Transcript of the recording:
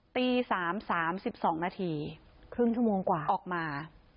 ตีสามสามสิบสองนาทีครึ่งชั่วโมงกว่าออกมา